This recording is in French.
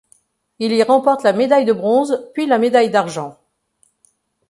Il y remporte la médaille de bronze puis la médaille d'argent.